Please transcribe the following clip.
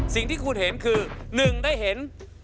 สิ่งที่คุณเห็นคือ๑ได้เห็น